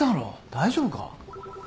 大丈夫か。